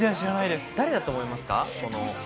誰だと思いますか？